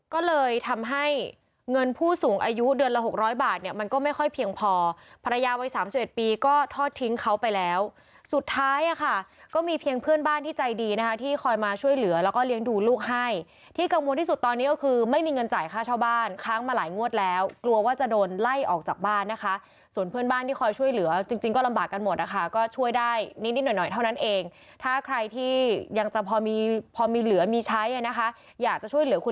ก็เลยทำให้เงินผู้สูงอายุเดือนละ๖๐๐บาทเนี่ยมันก็ไม่ค่อยเพียงพอภรรยาวัย๓๑ปีก็ทอดทิ้งเขาไปแล้วสุดท้ายค่ะก็มีเพียงเพื่อนบ้านที่ใจดีนะคะที่คอยมาช่วยเหลือแล้วก็เลี้ยงดูลูกให้ที่กังวลที่สุดตอนนี้ก็คือไม่มีเงินจ่ายค่าชาวบ้านค้างมาหลายงวดแล้วกลัวว่าจะโดนไล่ออกจากบ้านนะคะส่วนเพื่อนบ้านที่คอยช